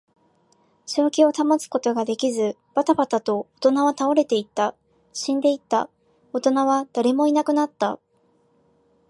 正気を保つことができず、ばたばたと大人は倒れていった。死んでいった。大人は誰もいなくなった。